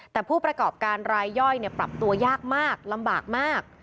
แต่ผู้ประกอบการรายย่อยปรับตัวยากมากลำบากมาก